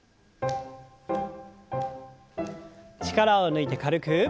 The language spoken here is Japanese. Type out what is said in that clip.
力を抜いて軽く。